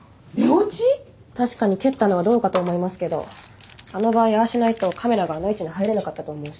確かに蹴ったのはどうかと思いますけどあの場合ああしないとカメラがあの位置に入れなかったと思うし。